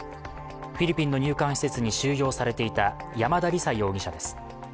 フィリピンの入管施設に収容されていた山田李沙容疑者です。